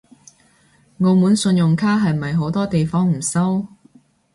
澳門信用卡係咪好多地方唔收？